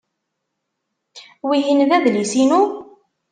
Wihin d adlis-inu?